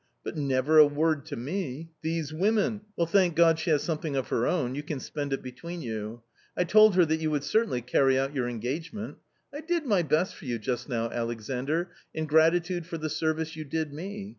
But never a word to me — these women ! Well, thank God she has something of her own ; you can spend it between you. I told her that you would certainly carry out your engagement I did my best for you just now, Alexandr, in gratitude for the service you did me.